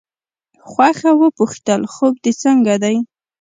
خوښه وپوښتل خوب دې څنګه دی.